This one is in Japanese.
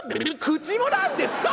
「口もなんですか？